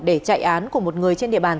để chạy án của một người trên địa bàn